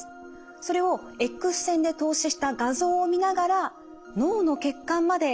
それをＸ線で透視した画像を見ながら脳の血管まで送り込みます。